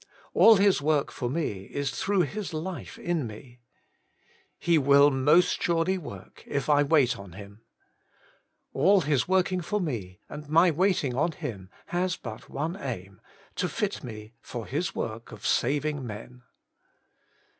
2. All His work for me is through His life in me. 3. He will most surely work, if I wait on Him. 4. All His working for me, and my waiting on Him, has but one aim, to fit me for His work of saving men.